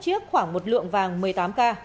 hai mươi một chiếc khoảng một lượng vàng một mươi tám k